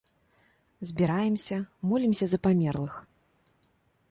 Збіраемся, молімся за памерлых.